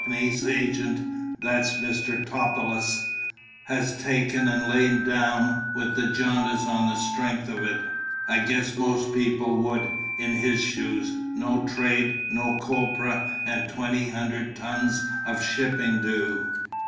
's agent (that's Mr. Topelius) has taken and lain down with the jaundice on the strength of it. I guess most people would, in his shoes; no trade, no copra, and twenty hundred ton of shipping due.